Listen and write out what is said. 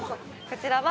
こちらは。